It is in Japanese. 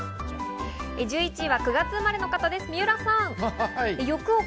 １１位は９月生まれの方です、三浦さん。